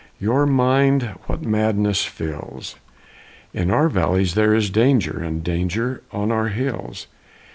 Your mind what madness fills? In our valleys there is danger, And danger on our hills!